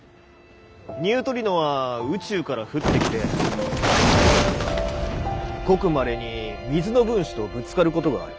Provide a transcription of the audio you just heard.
ニュートリノは宇宙から降ってきてごくまれに水の分子とぶつかることがある。